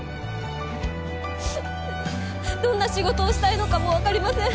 ううっどんな仕事をしたいのかもわかりません。